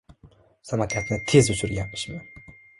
— Samokatni tez uchirganmishman.